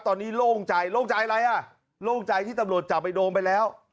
ตอนนี้โล่งใจโล่งใจอะไรอ่ะโล่งใจที่ตำรวจจับไอโดมไปแล้ว